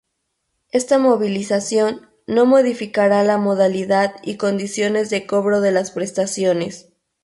Esta movilización no modificará la modalidad y condiciones de cobro de las prestaciones.